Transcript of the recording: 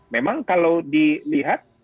memang kalau dilihat